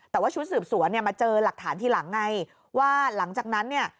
แต่ว่าชุดสืบสวนเนี่ยมาเจอหลักฐานทีหลังไงว่าหลังจากนั้นเนี่ย